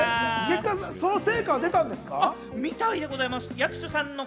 その成果は出たんですか？